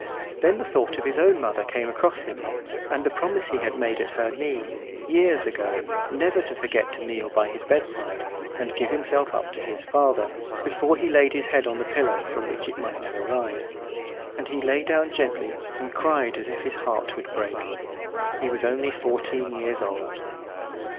Then the thought of his own mother came across him, and the promise he had made at her knee, years ago, never to forget to kneel by his bedside, and give himself up to his Father, before he laid his head on the pillow, from which it might never rise; and he lay down gently, and cried as if his heart would break. He was only fourteen years old.